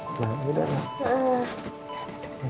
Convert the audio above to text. kayaknya udah n lonely for